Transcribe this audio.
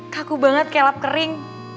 kaku banget kelap kering